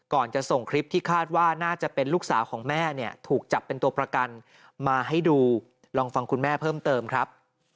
ก่อนจะส่งคลิปที่คาดว่าน่าจะเป็นลูกสาวของแม่เนี่ยถูกจับเป็นตัวประกันมาให้ดูลองฟังคุณแม่เพิ่มเติมครับ